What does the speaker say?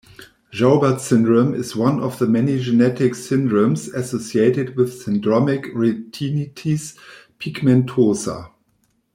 Joubert syndrome is one of the many genetic syndromes associated with syndromic retinitis pigmentosa.